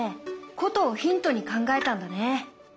ことをヒントに考えたんだね。